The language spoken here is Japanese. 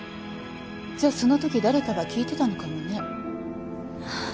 じゃそのとき誰かが聞いてたのかもね。